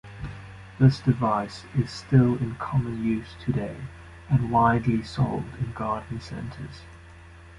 This device is still in common use today and widely sold in garden centres.